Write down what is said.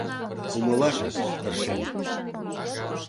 Умылашак тыршен –